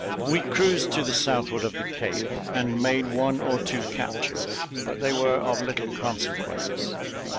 We cruised to the southward of the Cape, and made one or two captures; but they were of little consequence.